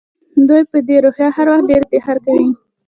دوی په دې روحیه هر وخت ډېر افتخار کوي.